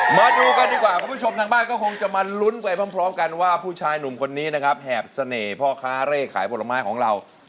มาดูกันดีกว่าคุณผู้ชมทางบ้านก็คงจะมาลุ้นไปพร้อมกันว่าผู้ชายหนุ่มคนนี้นะครับแหบเสน่ห์พ่อค้าเร่ขายผลไม้ของเรา